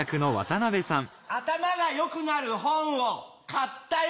頭が良くなる本を買ったよ！